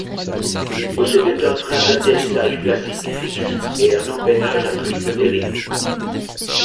Il possédait un train d'atterrissage classique fixe et un empennage à triple dérive.